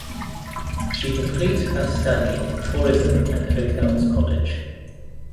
She complete her study in Tourism and Hotels college.